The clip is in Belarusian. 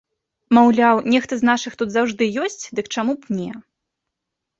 Маўляў, нехта з нашых тут заўжды ёсць, дык чаму б не?